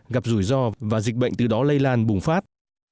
gặp rủi ro và dịch bệnh từ đó lây lan bùng phát